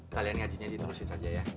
kalian ngajinya diterusin saja ya